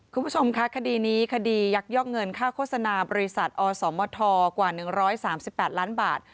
คุณผู้ชมคะคดีนี้คดียักยอกเงินค่าโฆษณาบริษัทอสมทกว่า๑๓๘ล้านบาท